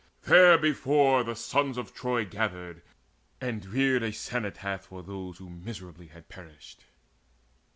Therebefore the sons of Troy Gathered, and reared a cenotaph for those Who miserably had perished.